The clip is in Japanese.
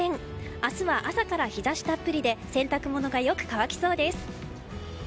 明日は朝から日差したっぷりで洗濯物がよく乾きそうです。